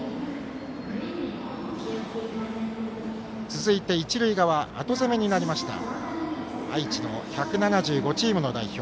続いて、一塁側後攻めになりました愛知の１７５チームの代表